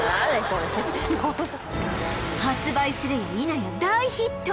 これ発売するやいなや大ヒット！